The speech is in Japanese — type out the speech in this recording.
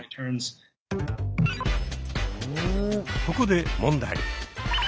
ここで問題。